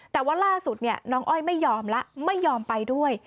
แต่วันล่าสุดเนี่ยน้องอ้อยไม่ยอมละไม่ยอมไปด้วย